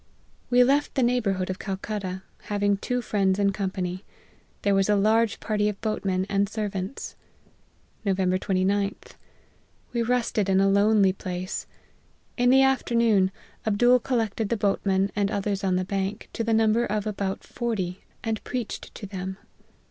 We left the neighbourhood of Calcutta, having two friends in company. There was a large party of boatmen and servants." " Nov. 29th. We rested in a lonely place. In the afternoon, Abdool collected the boatmen and others on the bank, to the number of about forty, and preached to them.